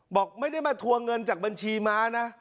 บอกไม่ได้มาทัวร์เงินจากบัญชีม้านะ